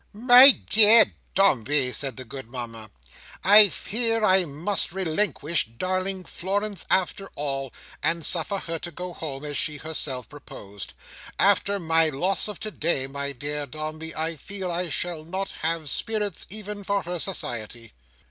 "My dear Dombey," said the good Mama, "I fear I must relinquish darling Florence after all, and suffer her to go home, as she herself proposed. After my loss of today, my dear Dombey, I feel I shall not have spirits, even for her society."